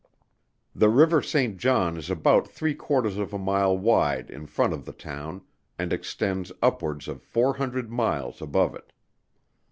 The river Saint John is about three quarters of a mile wide in front of the town, and extends upwards of four hundred miles above it.